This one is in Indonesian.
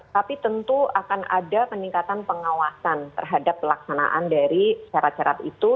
tapi tentu akan ada peningkatan pengawasan terhadap pelaksanaan dari syarat syarat itu